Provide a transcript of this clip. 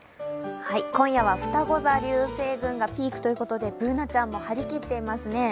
今夜はふたご座流星群がピークということでＢｏｏｎａちゃんも張り切っていますね